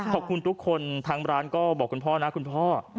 ขอบคุณทุกคนทางร้านก็บอกคุณพ่อนะคุณพ่อ